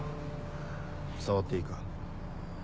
触っていいか？